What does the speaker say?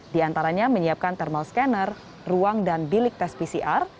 di antaranya menyiapkan thermal scanner ruang dan bilik tes pcr